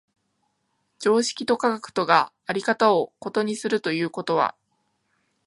常識と科学とが在り方を異にするということは、